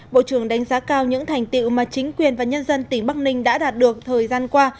bộ trưởng đánh giá cao những thành tiệu mà chính quyền và nhân dân tỉnh bắc ninh đã đạt được thời gian qua